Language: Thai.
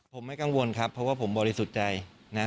ผมไม่กังวลครับเพราะว่าผมบริสุทธิ์ใจนะ